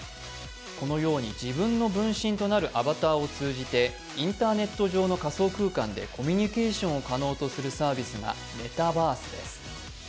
このように自分の分身となるアバターを通じてインターネットと上の仮想空間でコミュニケーションを可能とするサービスがメタバースです。